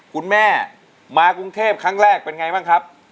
คุณแม่มากรุงเทพครั้งแรกเป็นไงบ้างครับ